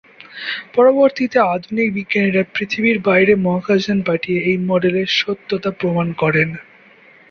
পরবর্তীতে আধুনিক বিজ্ঞানীরা পৃথিবীর বাইরে মহাকাশযান পাঠিয়ে এই মডেলের সত্যতা প্রমাণ করেন।